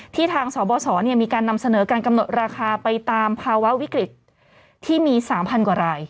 ทางสบสมีการนำเสนอการกำหนดราคาไปตามภาวะวิกฤตที่มี๓๐๐กว่าราย